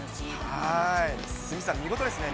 鷲見さん、見事ですね。